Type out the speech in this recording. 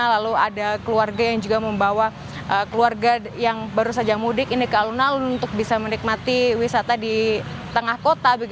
lalu ada keluarga yang juga membawa keluarga yang baru saja mudik ini ke alun alun untuk bisa menikmati wisata di tengah kota